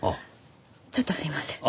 ちょっとすいません。